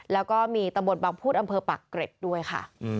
แล้วก็มีตำบลบางพูดอำเภอปากเกร็ดด้วยค่ะ